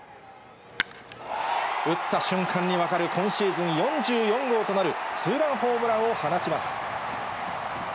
打った瞬間に分かる、今シーズン４４号となる、ツーランホームランを放ちます。